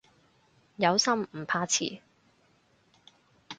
有心唔怕遲